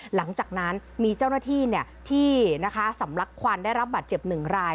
หลังจากนั้นมีเจ้าหน้าที่ที่สำลักควันได้รับบาดเจ็บ๑ราย